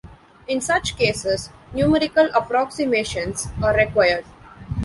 In such cases, numerical approximations are required.